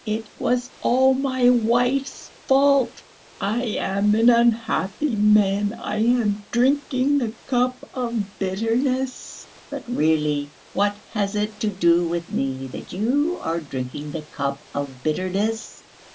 It was all my wife's fault. I am an unhappy man, I am drinking the cup of bitterness!" "But really, what has it to do with me that you are drinking the cup of bitterness?